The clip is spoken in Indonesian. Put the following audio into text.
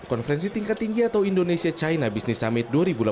konferensi tingkat tinggi atau indonesia china business summit dua ribu delapan belas